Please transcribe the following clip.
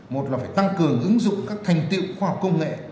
một là phải tăng cường ứng dụng các thành tiệu khoa học công nghệ